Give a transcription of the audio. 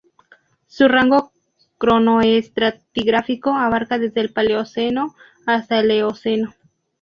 Su rango cronoestratigráfico abarca desde el Paleoceno hasta el Eoceno.